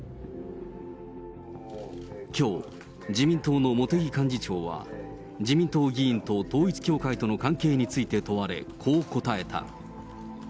きょう、自民党の茂木幹事長は、自民党議員と統一教会との関係について問われ、こう答えた。